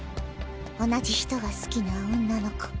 同じ人が好きな女の子。